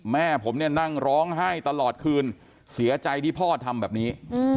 แม่ผมเนี่ยนั่งร้องไห้ตลอดคืนเสียใจที่พ่อทำแบบนี้